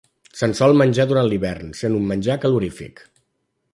Se'n sol menjar durant l'hivern, sent un menjar calorífic.